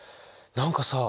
何かさ